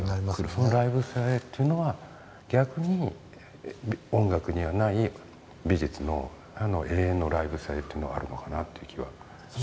そのライブ性というのは逆に音楽にはない美術の永遠のライブ性というのはあるのかなという気はしますね。